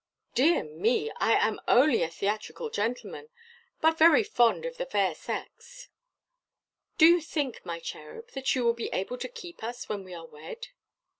"My dear, I am only a theatrical gentleman, but very fond of the fair sex." "Do you think, my cherub, that you will be able to keep us when we are wed?"